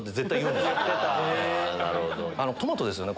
トマトですよね。